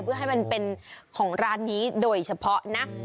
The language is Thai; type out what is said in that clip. เพื่อให้มันเป็นของร้านนี้โดยเฉพาะนะ